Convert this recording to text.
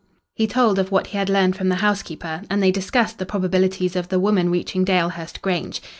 He told of what he had learned from the housekeeper, and they discussed the probabilities of the woman reaching Dalehurst Grange.